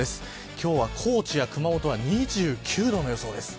今日は高知や熊本は２９度の予想です。